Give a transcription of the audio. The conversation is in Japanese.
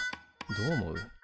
どう思う？